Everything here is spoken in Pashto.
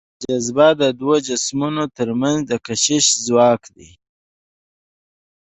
جاذبه د دوو جسمونو تر منځ د کشش ځواک دی.